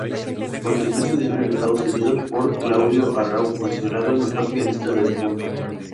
Continuó estudiando en Estados Unidos con Claudio Arrau, considerado el mejor pianista del mundo.